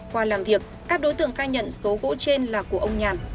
qua làm việc các đối tượng khai nhận số gỗ trên là của ông nhàn